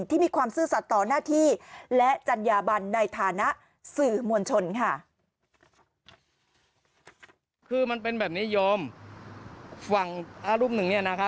ที่มีความซื่อสัตว์ต่อหน้าที่และจัญญาบันในฐานะสื่อมวลชนค่ะ